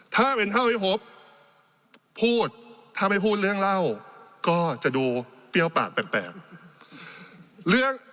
ถ้าเป็นเท่าที่พบพูดถ้าไม่พูดเรื่องเล่าก็จะดูเปรี้ยวปากแปลก